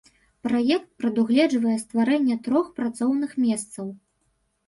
Праект прадугледжвае стварэнне трох працоўных месцаў.